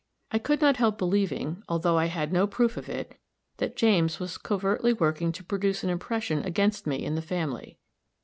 I could not help believing, although I had no proof of it, that James was covertly working to produce an impression against me in the family.